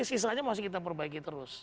tidak itu hanya masih kita perbaiki terus